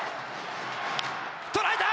捉えた！